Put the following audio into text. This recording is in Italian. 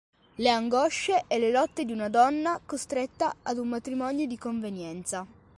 Le angosce e le lotte di una donna costretta ad un matrimonio di convenienza.